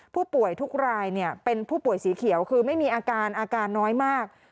ผู้ป่วยทุกรายเป็นผู้ป่วยสีเขียวคือไม่มีอาการอาการน้อยมาก